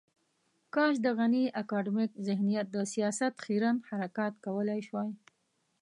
کاش د غني اکاډمیک ذهنیت د سياست خیرن حرکات کولای شوای.